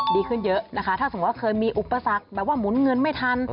ดีขึ้นเยอะนะคะถ้าสมมุติว่าเคยมีอุปสรรคแบบว่าหมุนเงินไม่ทัน